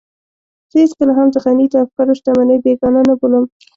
زه هېڅکله هم د غني د افکارو شتمنۍ بېګانه نه بولم.